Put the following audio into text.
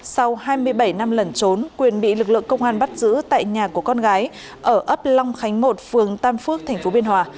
sau hai mươi bảy năm lẩn trốn quyền bị lực lượng công an bắt giữ tại nhà của con gái ở ấp long khánh một phường tam phước tp biên hòa